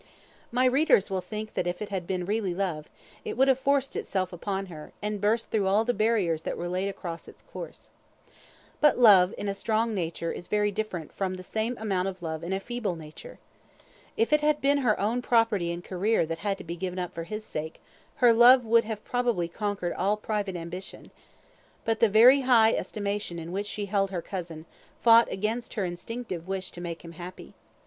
My readers will think that if it had been really love, it would have forced itself upon her, and burst through all the barriers that were laid across its course. But love in a strong nature is a very different thing from the same amount of love in a feeble nature. If it had been her own property and career that had to be given up for his sake, her love would have probably conquered all private ambition; but the very high estimation in which she held her cousin, fought against her instinctive wish to make him happy.